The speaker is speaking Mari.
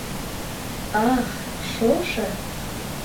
Ах, шошо?